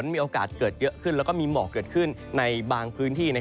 มีโอกาสเกิดเยอะขึ้นแล้วก็มีหมอกเกิดขึ้นในบางพื้นที่